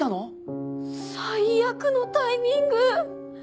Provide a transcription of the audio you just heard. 最悪のタイミング！